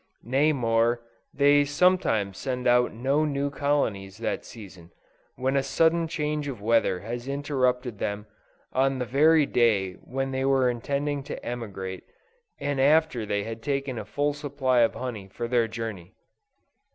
Nay more, they sometimes send out no new colonies that season, when a sudden change of weather has interrupted them on the very day when they were intending to emigrate, and after they had taken a full supply of honey for their journey.